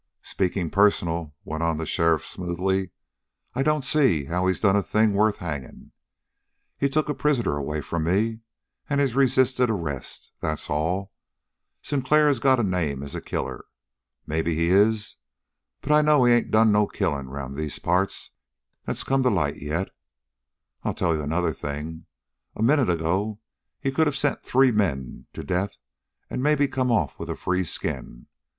"Speaking personal," went on the sheriff smoothly, "I don't see how he's done a thing worth hanging. He took a prisoner away from me, and he's resisted arrest. That's all. Sinclair has got a name as a killer. Maybe he is. But I know he ain't done no killing around these parts that's come to light yet. I'll tell you another thing. A minute ago he could have sent three men to death and maybe come off with a free skin.